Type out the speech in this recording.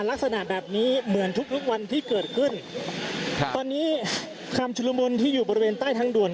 และลักษณะแบบนี้เหมือนทุกวันที่เกิดขึ้นตอนนี้ความชุดรมลที่อยู่บริเวณใต้ทางด่วน